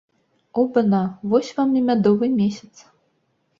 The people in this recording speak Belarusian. Оба-на, вось вам і мядовы месяц!